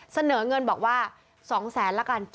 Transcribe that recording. เสนอเงินบอกว่า๒๐๐๐๐๐บาทละกัน